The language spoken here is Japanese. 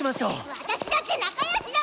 私だって仲良しだもん！